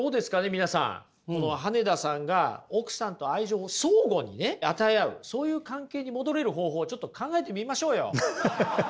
皆さんこの羽根田さんが奥さんと愛情を相互にね与え合うそういう関係に戻れる方法をちょっと考えてみましょうよ。